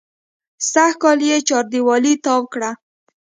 سږکال یې چاردېواله تاو کړه.